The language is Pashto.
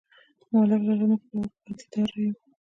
_ملک لالا، موږ بدي دار يو؟